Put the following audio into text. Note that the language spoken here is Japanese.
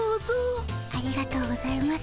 ありがとうございます